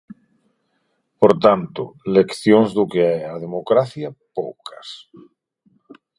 Por tanto, leccións do que é a democracia, poucas.